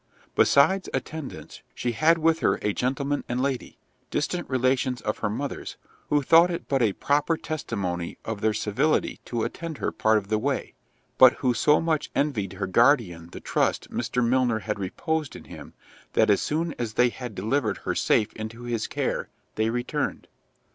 Besides attendants, she had with her a gentleman and lady, distant relations of her mother's, who thought it but a proper testimony of their civility to attend her part of the way, but who so much envied her guardian the trust Mr. Milner had reposed in him, that as soon as they had delivered her safe into his care, they returned.